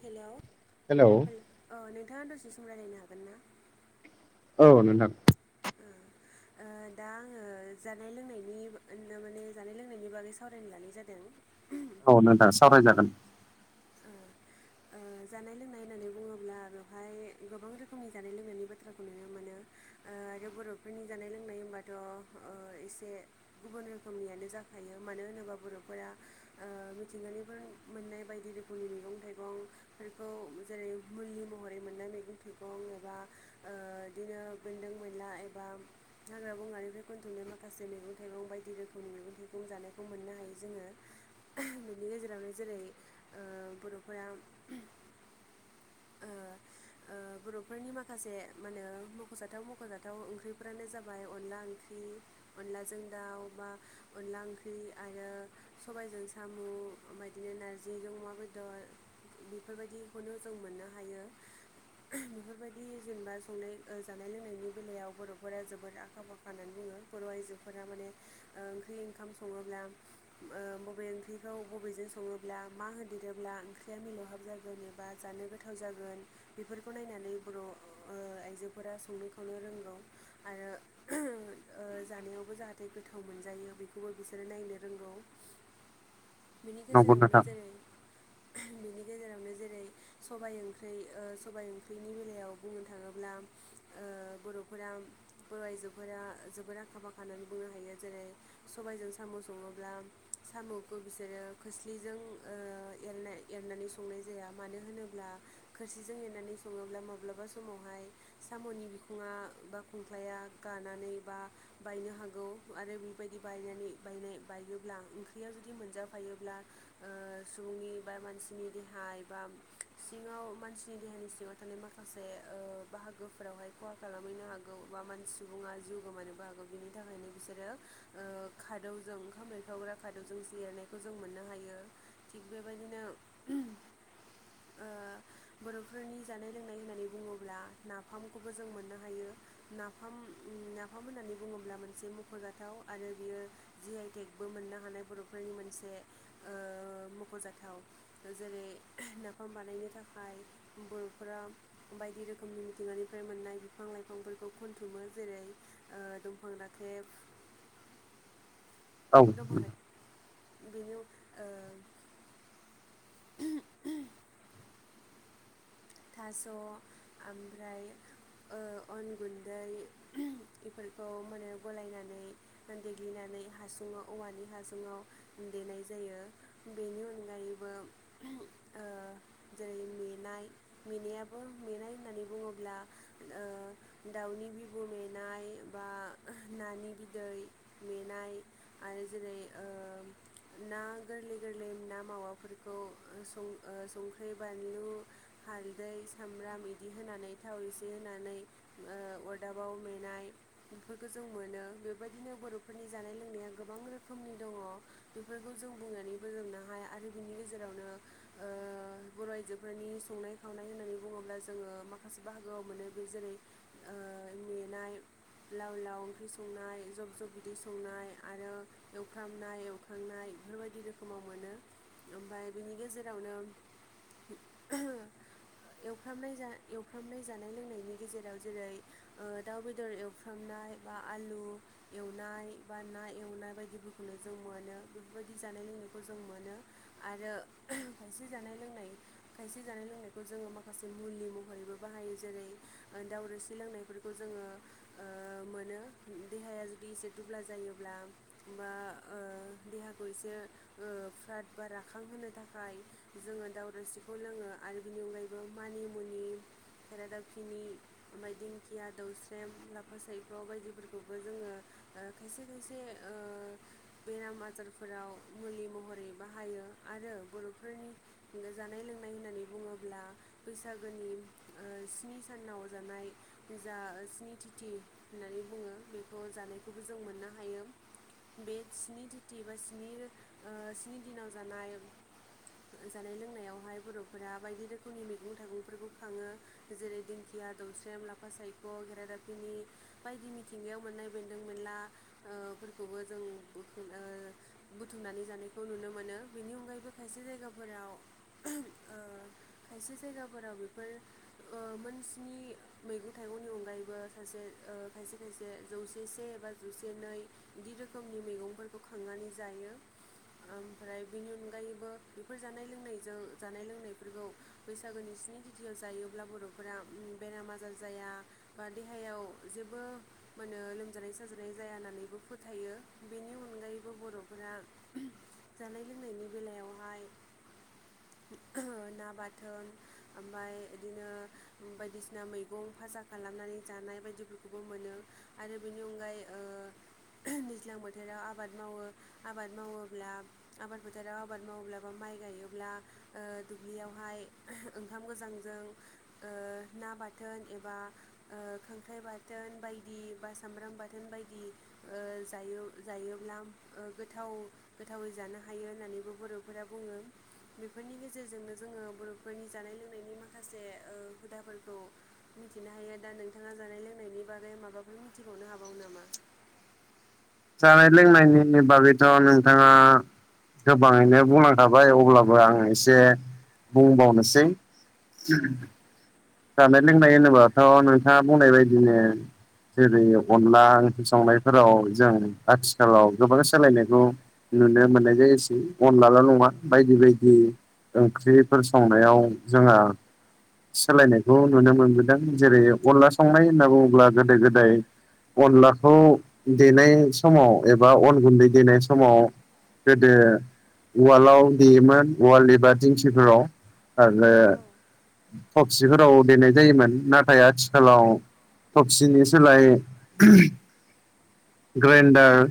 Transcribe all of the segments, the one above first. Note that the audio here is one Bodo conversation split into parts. हेलौ हेलौ हेल ओ नोंथाङा दसे सम रायलायनो हागोन ना? औ नोंथां। ओ दा आङो जानाय लोंनायनि माने जानाय लोंनायनि बागै सावरायनो लानाय जादों। औ नोंथां सावरायजागोन। ओ ओ जानाय लोंनाय होननानै बुङोब्ला बेवहाय गोबां रोखोमनि जानाय लोंनायनि बाथ्राखौ नुनो मोनो। ओ आरो बर'फोरनि जानाय लोंनाय होनबाथ' एसे गुबुन रोखोमनियानो जाखा रो मानो होनोब्ला बरफोरा ओ मिथिंगानिफ्राय मोन्नाय बायदि रो [inaudible] [unintelligible] जेरै मुलि महरै मोननानै मैगं एबा ओ बिदिनो ओ बेनदों बेनला एबा हाग्रा बंगानिफ्राय बुथुमनाय माखासे मैगं थाइगं बायदि रोखोमनि जानायखौ मोननो हायो जोङो बेनि गेजेरावनो जेरै ओ बर'फोरा ओ ओ [inaudible] बर'फोरनि माखासे माहोनो मख'जाथाव मख'जाथाव ओंख्रिफोरानो जाबाय अनला ओंख्रि अनलाजों दाउ बा अनला ओंख्रि आरो सबायजों साम' बायदिनो जे नारजिजों अमा बेदर बेफोरबायदिखौनो जों मोनो।। [inaudible] बेफोरबायदि जेनेबा संनाय ओ जानाय लोंनायनि बेलायाव बर'फोरा जोबोद आखा फाखा होननानै बुङो बर' आइजोफोरा माने ओंख्रि ओंखाम सङोब्ला ओ बबे ओंख्रिखौ बबेजों सङोब्ला मा होदेरोब्ला ओंख्रिया मिलौहाब जागोन एबा जानो गो थाव जागोन बेफोरखौ नायनानै बर' ओ आइजोफोरा संनो खावनो रोंगौ आ रो ओ जानायावबो जाहाथे गोथाव मोनजायो बेखौबो बिसोरो नायनो रोंगौ। [inaudible] बिनि नंगौ गेजेरावनो नोंथां जेरै सबायाइ ओंख्रि ओ सबाइ ओंख्रिनि बेलायाव बुंनो थाङोब्ला ओ बर'फोरा बर' आइजोफोरा जोबोद आखा-फाखा होननानै बुंनो हायो। जेरै सबायजों साम' सङोब्ला साम'खौ बिसोरो खोस्लिजों ओ ऐरनाय एरनानै संनाय जाया मानो होनो ब्ला खोरसिजों एनानै सङोब्ला माब्लाबा समावहाय साम'नि बिखुङा बा खुं ख्लाया गानानै बा बायनो हागौ आरो बेबायदि बायनानै बायनाय बायोब्ला ओंख्रिया जुदि मोनजाफायोब्ला ओ सुबुंनि बा मानसिनि देहा एबा सिङाव मानसिनि देहानि सिङाव थानाय माखासे ओ बाहागोफोरावहाय खहा खालामहैनो हागौ। बा [unintelligible] सुबुंङा जिउ गोमानोबो हागौ बिनि थाखायनो बिसोरो ओ खादौजों ओंखाम एरखावग्रा खादौजोंसो ऐरनायखौ जों मोननो हायो थिग बेबायदिनो ओ [inaudible] बर'फोरनि जानाय लोंनाय होननानै बुङोब्ला नाफामखौबो जों मोननो हायो नाफाम नाफाम होननानै बुङोब्ला मोनसे मख'जाथाव आरो बियो जि आइ टेकबो मोननो हानाय बर'फोर नि मोनसे ओ मख'जाथाव जेरै नाफाम बानायनो थाखाय बर'फोरा बायदि रोखोमनि मिथिंगानिफ्राय मोननाय बिफां लाइफांफोर खौ खनथुमो जेरै ओ दंफां राखेब औ। दंफां बेनि अन ओ थास' ओमफ्राय ओ अन गुन्दै बेफोरखौ माने गलायनानै देग्लिनानै हासुङाव औवानि हासुङाव देनाय जायो बेनि अनगायैबो ओ जेरै मेनाय मेनायाबो मेनाय होननानै बुङोब्ला दाउनि बिबु मेनाय बा ना नानि बिदै मेनाय आरो जेरै ओ ना ना गोरलै गोरलै ना मावाफोरखौ ओ संख्रि बानलु हालदै सामब्राम बिदि होनानै थाव एसे होनानै ओ अरदाबाव मेनाय। बेफोरखौ जों मोनो बेबायदिनो बर'फोरनि जानाय लोंनाया गोबां रोखोमनि दङ बेफोर खौ जों बुंनानै फोजोबनो हाया आरो बिनि गेजेरावनो ओ बर' आइजोफोरनि संनाय खावनाय होननानै [inaudible] बुङोब्ला जोङो माखासे बाहागोआव मोनो बे जेरै ओ मेनाय लाव लाव ओंख्रि संनाय जब जब बिदै संनाय आरो एवफ्रामनाय एवखांनाय बेफोरबायदि रोखोमाव मोनो ओमफ्राय बिनि गेजेरावनो [inaudible] एफ्रामनाय जा एवफ्रामनाय जानाय लोंनायनि गेजेराव जेरै दाउ बेदर एवफ्रामनाय। बा आलु एवनाय बा ना एवनाय बायदिफोरखौनो जों मोनो बेफोरबायदि जानाय लों जों मोनो आरो खायसे जानाय लोंनाय खायसे जानाय लोंनाय खौ जोङो माखासे मुलि महरैबो बाहायो जेरै दाव रोसि लोंनायफोरखौ जोङो ओ ओ मोनो देहाया जुदि एसे दुब्ला जायोब्ला बा ओ देहाखौ से फ्राद बा राखां होनो थाखाय जोङो दाव रोसिखौ लोङो आरो बिनि अनगायैबो मानिमुनि खेरादाफिनि ओमफ्राय दिंखिया दौस्रेम लाफा सायख बायदिफोरखौबो जोङो ओ खायसे खायसे ओ बेराम आजारफोराव मुलि महरै बाहायो। आरो बर'फोरनि जानाय लोंनाय होननानै बुङो ब्ला बैसागोनि ओ स्नि सानाव जानाय जा स्नि थिथि होननानै बुङो बेखौ जानायखौबो जों मोननो हायो। बे स्नि थिथि बा स्नि ओ स्नि दिनाव जानाय जानाय लोंनायावहाय बर'फोरा बायदि रोखो खोमनि मैगं थाइगंफोरखौ खाङो जेरै दिंखिया दौस्रेम लाफा सायख' खेरादाफिनि बायदि मिथिंगायाव मोननाय बेन्दों बेनला ओ फोरफोरखौबो जों बोखांनो ओ बुथुमनानै जानायखौ नुनो मोनो बेनि अनगायैबो खायसे जायगाफोराव [inaudible] खायसे जायगाफोराव बेफोर ओ मोनस्नि मैगं थाइगंनि अनगायैबो सासे ओ खायसे खायसे जौसे से बा जौसे नै बिदि रोखोमनि मैगंफोरखौ खांनानै जायो। [inaudible] ओमफ्राय बेनि अनगायैबो बेफोर जानाय लोंनायजों जानाय लोंनायफोरखौ बैसागोनि स्नि थिथियाव जायोब्ला बर'फोरा बेराम आजार जाया बा देहायाव जेबो माने लोमजानाय साजानाय जाया होननानैबो फोथायो बेनि अनगायैबो बर'फोर रा जानाय लोंनायनि बेलायावहाय ना बाथ थोन ओमफ्राय बिदिनो बायदिसिना मैगं फाजा खालामनानै जानाय बायदिफोरखौबो मोनो। आरो बिनि अनगायै ओ दैज्लां बोथोराव आबाद मावो आबाद मावोब्ला आबाद फोथाराव आबाद मावोब्लाबो माइ माइ गायोब्ला ओ दुब्लियावहाय ओंखाम गोजांजों ओ ना बाथोन एबा ओ खांख्राइ बाथोन थोन बायदि बा सामब्राम बाथोन बायदि ओ जायो जायोब्ला ओ गोथाव आव गोथावै जानो हायो होननानैबो बर'फोरा बुङो बेफोरनि गेजेरजोंनो जोंङो बर' फोरनि जानाय लोंनायनि माखासे ओ हुदाफोरखौ मिथिनो हायो दा नोंथाङा जानाय लोंनायनि नि बागै माबाफोर मिथिबावनो हाबावो नामा? जानाय-लोंनायनि बागैथ' नोंथाङा गोबाङैनो बुंलांखाबाय अब्लाबो आं एसे बुंबावनोसै औ जानाय लोंनाय होनोबाथ' नोंथाङा बुंनाय बायदिनो जेरै अनला ओंख्रि संनायफोराव जों आथिखालाव गोबां सोलायनायखौ नुनो मोननाय जायोसै अनलाल' नङा बायदि बायदि ओंख्रिफोर संनायाव जोंहा सोलायनाय खौ नुनो मोनबोदों जेरै अनला संनाय होनना बुङोब्ला गोदो गोदाय अनलाखौ देनाय समाव एबा अन गुन्दै देनाय समाव गोदो ववाल्डआव देयोमोन वाल्ड एबा दिंखिफोराव आरो औ फक्स औ देनाय जायोमोन नाथाय आथिखालाव थफसिनि सोलाय ग्राइन्डार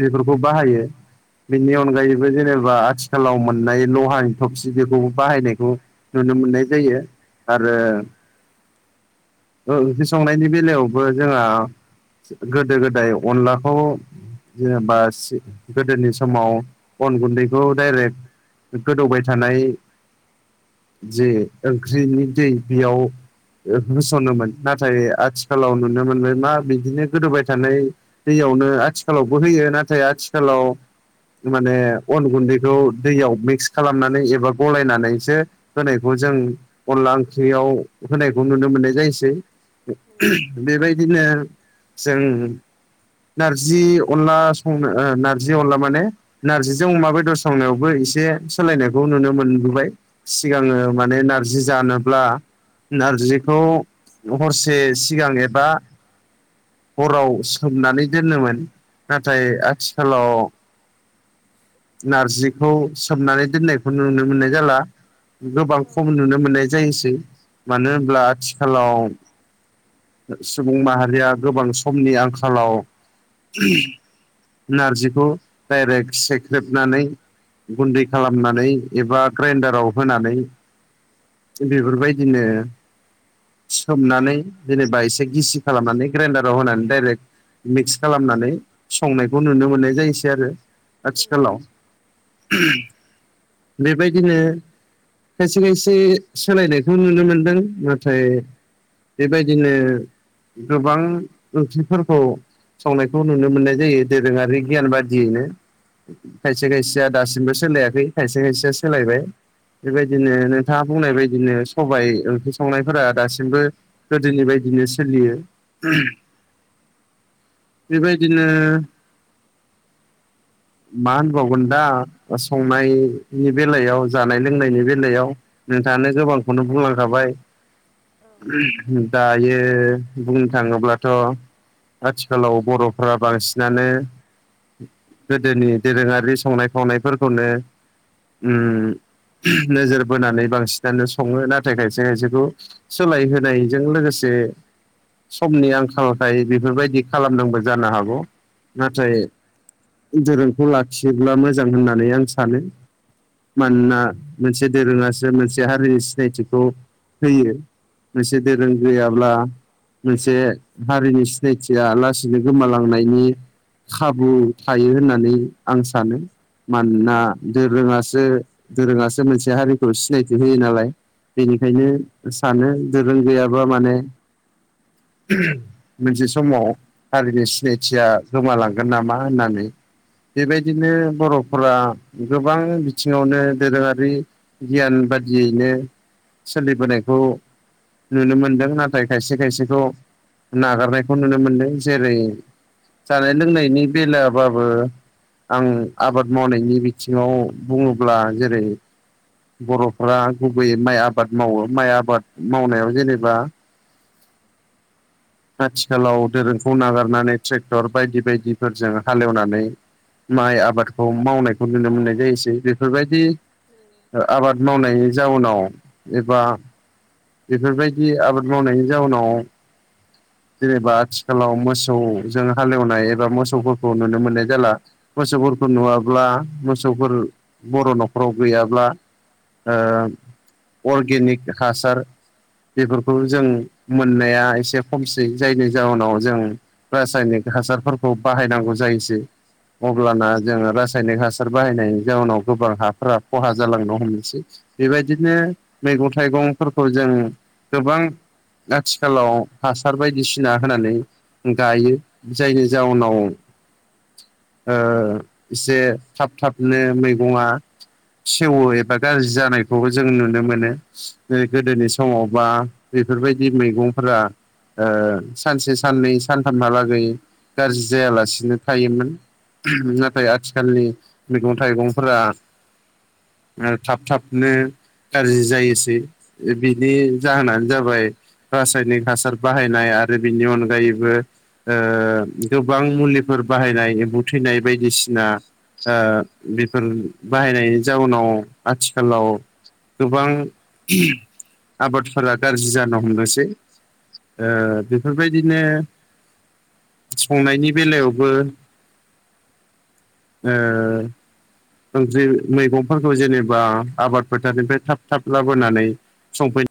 बेफोरखौ बाहायो बेनि अनगायैबो जेनेबा आथिखालाव मोननाय लहानि थबसि बेखौबो बाहायनायखौ नु नुनो मोननाय जायो आरो नंगौ नंगौ औ ओंख्रि संनायनि बेलायावबो जोंहा गोदो-गोदाय अनलाखौ जेनेबा सि गोदोनि समाव अन गुन्दैखौ डाइरेक्ट गोदौबाय थानाय जे ओंख्रिनि दै बेयाव होसनोमोन। नाथाय आथिखालाव नुनो मोनबाय मा बिदिनो गोदौबाय थानाय दैयावनो आथिखालावबो होयो नाथाय आथिखालाव माने अन गुन्दैखौ दैयाव मिक्स खालामनानै एबा गलायनानैसो होनायखौ जों अनला ओंख्रियाव होनायखौ नुनो मोननाय जायोसै नंगौ बेबायदिनो जों नारजि अनला संनो नारजि अनला माने नार्जिजों अमा बेदर संनायावबो एसे एसे सोलायनायखौ नुनो मोनबोबाय सिगाङो माने नारजि जानोब्ला नारजिखौ हरसे सिगां एबा हराव सोमनानै दोनोमोन नाथाय आथिखालाव नारजिखौ सोमनानै दोननायखौ नुनो मोननाय जाला गोबां औ खम उम नुनो मोननाय जायोसै मानो होनब्ला आथिखालाव सुबुं माहारिया गोबां समनि आंखालाव नारजिखौ डाइरेक्ट सेख्रेबनानै गुन्दै खालामनानै एबा ग्राइनडाराव होनानै बेफोरबायदिनो सोमनानै जेनेबा एसे गिसि खालामनानै ग्राइन्डाराव होनानै डाइरेक्ट मिक्स खालामनानै संनायखौ नुनो मोननाय जायोसै आरो आथिखालाव नंगौ बेबायदिनो खायसे खायसे सोलायनायखौ नुनो मोनदों नाथाय बेबायदिनो गोबां ओंथिफोरखौ संनायखौ नुनो मोननाय जायो दोरोङारि गियान बादियैनो खायसे खायसेया दासिमबो सोलायाखै खायसे खायसेया सोलायबाय बेबायदिनो नोंथाङा बुंनाय बायदिनो सबाइ ओंख्रि संनायफोरा दासिमबो गोदोनि बायदि बिदिनो सोलियो बेबायदिनो मा होनबावगोन दा संनायनि बेलायाव जानाय लोंनायनि बेलायाव नोंथानो गोबांखौनो बुंलांखाबाय। दायो बुंनो थाङोब्लाथ' आथिखालाव बर'फ्रा बांसिनानो गोदोनि दोरोङारि संनाय खावनायफोरखौनो ओम नोजोर बोनानै बांसिनानो सङो नाथाय खायसे खायसेखौ सोलाय होनायजों लोगोसे जे समनि आंखालखाय बेफोरबायदि खालामदोंबो जानो हागौ नाथाय दोरोंखौ लाखियोब्ला मोजां होननानै आं सानो मानोना मोनसे दोरोङासो मोनसे हारिनि सिनायथिखौ होयो। मोनसे दोरों गैयाब्ला मोनसे हारिनि सिनायथिया लासैनो गोमालांनायनि खाबु थायो होननानै आं सानो औ मानोना औ दोरोङासो दोरोङासो मोनसे हारिखौ सिनायथि होयो नालाय बेनिखायनो औ सानो गोरों गैयाबा माने मोनसे समाव हारिनि सिनायथिया गोमालांगोन नामा होननानै बेबायदिनो बर'फोरा गोबां बिथिङावनो दोरोङारि गियान बेबादियैनो सोलिबोनायखौ नुनो मोनदों नाथाय खायसे खायसेखौ नागारनायखौ नुनो मोनदों जेरै जानाय लोंनायनि बेलायावबो आं आबाद मावनायनि बिथिङाव बुङोब्ला जेरै बर'फ्रा गुबैयै माइ आबाद मावो माइ आबाद मावनायाव जेनेबा आथिखालाव दोरोंखौ नागारनानै ट्रेक्टर बायदि बायदिफोरजों हालेवनानै माइ आबादखौ मावनायखौ नुनो मोननाय जायोसै बेफोरबायदि आबाद मावनायनि जाउनाव एबा बेफोरबायदि आबाद मावनायनि जाउनाव जेनेबा आथिखालाव मोसौजों हालेवनाय एबा मोसौफोरखौ नुनो मोननाय जाला मोसौफोरखौ नुवाब्ला मोसौफोरा बर' न'खराव गैयाब्ला ओं अर्गेनिक हासार बेफोरखौ जों मोननाया एसे खमसै जायनि जाउनाव जों रासायनिक हासारफोरखौ बाहायनांगौ जायोसै अब्लाना जोङो रासायनिक हासार बाहायनायनि जाउनाव गोबां हाफोरा खहा जालांनो हमसै। बेबायदिनो मैगं थाइगंफोरखौ जों गोबां आथिखालाव हासार बायदिसिना होनानै गायो जायनि जाउनाव ओ एसे थाब थाबनो मैगङा सेवो एबा गाज्रि जानायखौ नुनो मोनो बेखौबो जों नुनो मोनो गोदोनि समाव बा बेफोरबायदि मैगंफोरा ओ सानसे साननै सानथामहालागै गाज्रि जायालासिनो थायोमोन नाथाय आथिखालनि मैगं थाइगंफोरा ओ थाब थाबनो गाज्रि जायोसै बिनि जाहोनानो जाबाय रासायनिक हासार बाहायनाय आरो बिनि अनगायैबो गोबां मुलिफोर बाहायनाय एम्बु थै फिनाय बायदिसिना बेफोर बाहायनायनि जाउनाव आथिखालाव गोबां आबादफोरा गाज्रि जानो हमनोसै ओ बेफोरबायदिनो संनायनि बेलायावबो [inaudible] ओंख्रि मैगंफोरखौ जेनेबा आबाद फोथारनिफ्राय थाब थाब लाबोनानै संफैयो